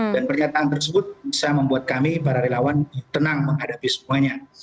dan pernyataan tersebut bisa membuat kami para relawan tenang menghadapi semuanya